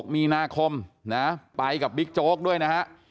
๒๖มีนาคมไปกับบิ๊กโจ๊กด้วยนะครับ